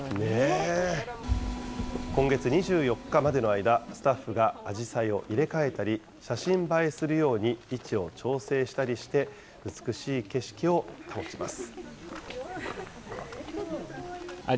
今月２４日までの間、スタッフがアジサイを入れ替えたり、写真映えするように位置を調整したりして、美しい景色を保ちます。